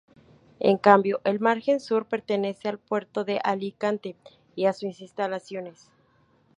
En cambio, el margen sur pertenece al puerto de Alicante y a sus instalaciones.